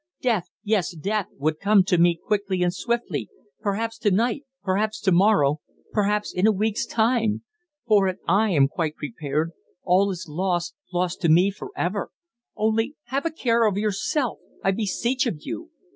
Death yes, death will come to me quickly and swiftly perhaps to night, perhaps to morrow, perhaps in a week's time. For it, I am quite prepared. All is lost lost to me for ever! Only have a care of yourself, I beseech of you!